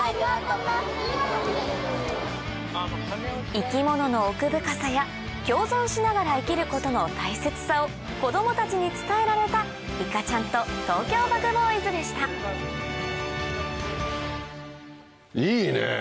生き物の奥深さや共存しながら生きることの大切さを子供たちに伝えられたいかちゃんとＴｏｋｙｏＢｕｇＢｏｙｓでしたいいね。